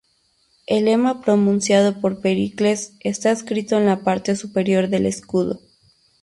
El lema pronunciado por Pericles está escrito en la parte superior del escudo.